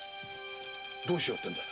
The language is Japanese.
どうしようってんだ？